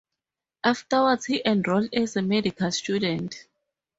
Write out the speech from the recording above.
Afterwards he enrolled as a medical student.